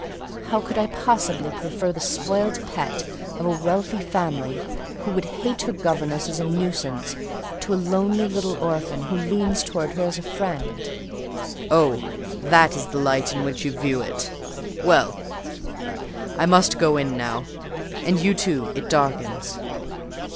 How could I possibly prefer the spoilt pet of a wealthy family, who would hate her governess as a nuisance, to a lonely little orphan, who leans towards her as a friend?" "Oh, that is the light in which you view it! Well, I must go in now; and you too: it darkens."